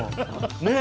ねえ！